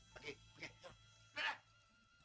bagi bagi bada